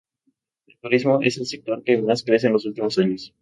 El turismo es el sector que más crece en los últimos años.